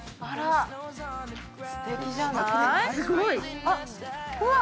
すてきじゃない？